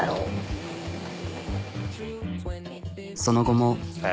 その後も。